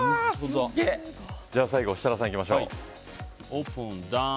最後、設楽さんいきましょう。